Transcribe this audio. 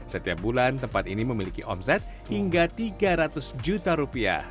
setiap bulan tempat ini memiliki omset hingga tiga ratus juta rupiah